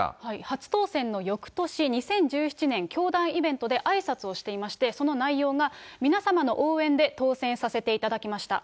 初当選のよくとし、２０１７年、教団イベントであいさつをしていまして、その内容が、皆様の応援で当選させていただきました。